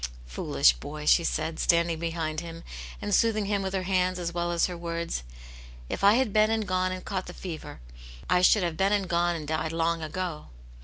"Foolish boy!" she said, standing behind him and soothing him with her hands as well as her words ; "if I had been and gone and caught the fever, I should have been and gone and died long ago."